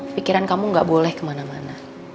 pikiran kamu gak boleh kemana mana